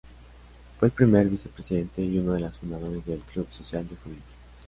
Fue el primer vicepresidente y uno de los fundadores del Club Social de Junín.